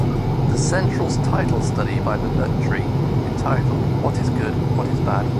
The central title study by McMurtry, entitled, What is Good, What is Bad?